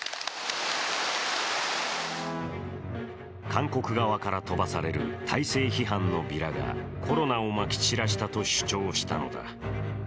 韓国側から飛ばされる体制批判のビラがコロナをまき散らしたと主張したのだ。